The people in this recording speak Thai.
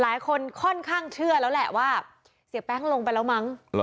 หลายคนค่อนข้างเชื่อแล้วแหละว่าเสียแป้งลงไปแล้วมั้ง